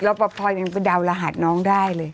เราประพอยังก็เดารหัสน้องได้เลย